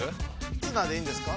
「つな」でいいんですか？